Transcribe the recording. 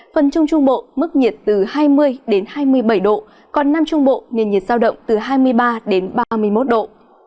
phần trung trung bộ mức nhiệt từ hai mươi hai mươi bảy độ còn nam trung bộ nền nhiệt sao động từ hai mươi ba đến ba mươi một độ